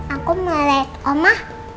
aku melihat oma